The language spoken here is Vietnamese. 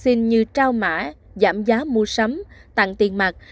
các tiêm vaccine như trao mã giảm giá mua sắm tặng tiền mặt